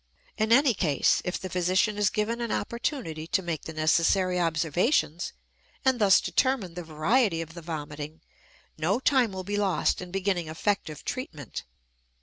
In any case, if the physician is given an opportunity to make the necessary observations and thus determine the variety of the vomiting, no time will be lost in beginning effective treatment.